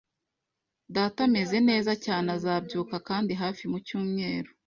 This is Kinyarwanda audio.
Data ameze neza cyane. Azabyuka kandi hafi mucyumweru